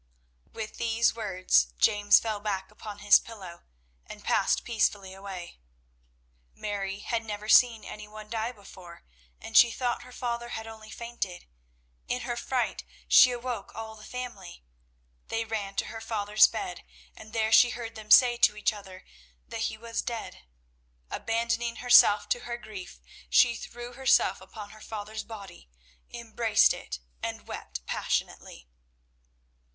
With these words James fell back upon his pillow, and passed peacefully away. Mary had never seen any one die before, and she thought her father had only fainted. In her fright she awoke all the family. They ran to her father's bed, and there she heard them say to each other that he was dead. Abandoning herself to her grief, she threw herself upon her father's body, embraced it, and wept passionately.